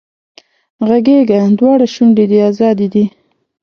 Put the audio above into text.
غږېږه دواړه شونډې دې ازادې دي